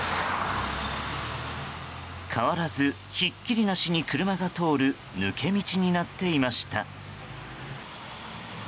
変わらずひっきりなしに車が通る抜け道になっていました。